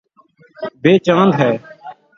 یے چاند ہے